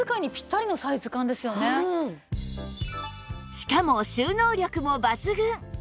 しかも収納力も抜群！